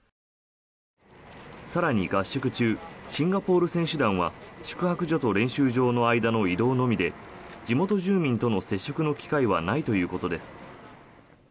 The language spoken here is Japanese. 更に合宿中シンガポール選手団は宿泊所と練習場の移動のみで地元住民との接触の機会はないということです。